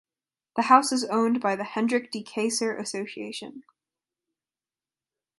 The house is owned by the Hendrick de Keyser Association.